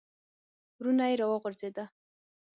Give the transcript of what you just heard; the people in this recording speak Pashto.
ورونه یې را وغورځېده.